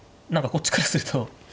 何かこっちからすると。